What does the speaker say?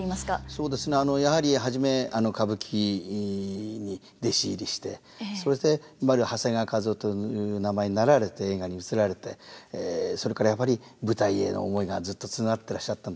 そうですねやはり初め歌舞伎に弟子入りしてそして今の長谷川一夫という名前になられて映画に移られてそれからやっぱり舞台への思いがずっとつながってらっしゃったんだと思いますね。